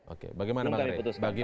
oke bagaimana bang rai